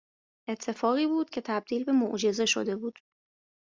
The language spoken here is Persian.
اتفاقی بود که تبدیل به معجزه شده بود